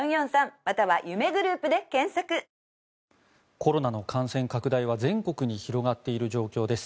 コロナの感染拡大は全国に広がっている状況です。